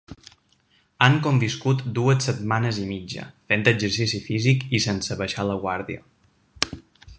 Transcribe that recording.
Han conviscut dues setmanes i mitja, fent exercici físic i sense abaixar la guàrdia.